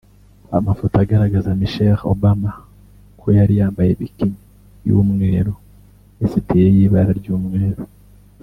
Amafoto agaragaza Michelle Obama ko yari yambaye bikini y’umweru n’isutiye y’ibara ry’umweru